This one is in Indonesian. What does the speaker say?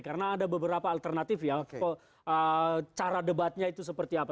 karena ada beberapa alternatif ya cara debatnya itu seperti apa